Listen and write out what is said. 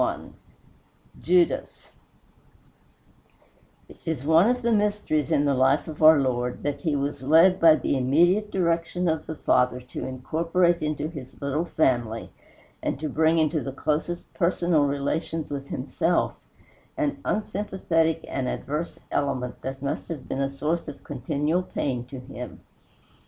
XXI JUDAS It is one of the mysteries in the life of our Lord that he was led by the immediate direction of the Father to incorporate into his little family, and to bring into the closest personal relations with himself, an unsympathetic and adverse element that must have been a source of continual pain to him.